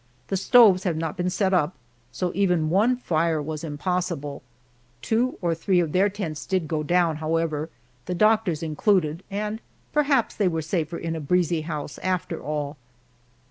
The stoves have not been set up, so even one fire was impossible. Two or three of their tents did go down, however, the doctor's included, and perhaps they were safer in a breezy house, after all.